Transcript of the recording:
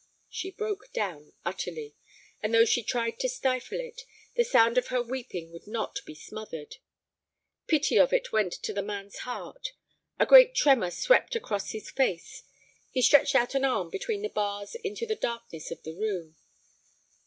She broke down utterly, and though she tried to stifle it, the sound of her weeping would not be smothered. Pity of it went to the man's heart. A great tremor swept across his face. He stretched out an arm between the bars into the darkness of the room.